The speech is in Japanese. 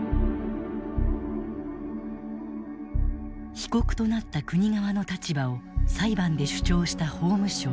被告となった国側の立場を裁判で主張した法務省。